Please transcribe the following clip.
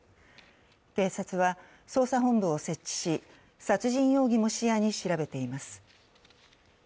警察は捜査本部を設置し、殺人容疑も視野に調べています。